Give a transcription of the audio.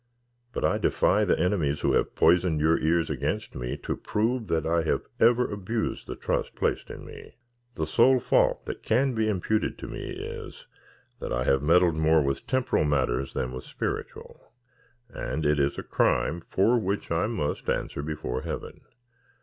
But I defy the enemies who have poisoned your ears against me, to prove that I have ever abused the trust placed in me. The sole fault that can be imputed to me is, that I have meddled more with temporal matters than with spiritual, and it is a crime for which I must answer before Heaven.